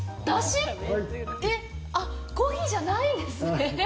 はいコーヒーじゃないんですね